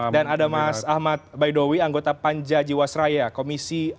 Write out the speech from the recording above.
dan ada mas ahmad baidowi anggota panja jiwaseraya komisi enam